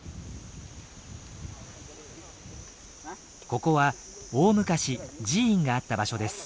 ここは大昔寺院があった場所です。